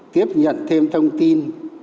tiếp nhận thêm thông tin